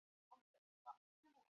库尔泰莫。